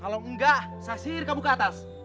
kalau enggak saya sihir kamu ke atas